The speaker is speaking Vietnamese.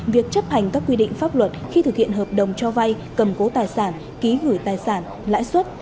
việc chấp hành các quy định pháp luật khi thực hiện hợp đồng cho vay cầm cố tài sản ký gửi tài sản lãi suất